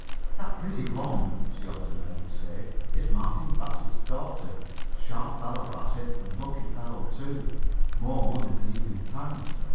"That pretty blonde," she often heard it said, "is Martin Bassett's daughter: sharp fellow, Bassett, and lucky fellow too; more money than he can count."